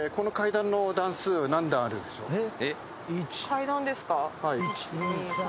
階段ですか？